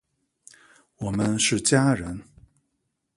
我们是家人！